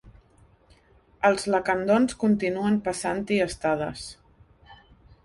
Els lacandons continuen passant-hi estades.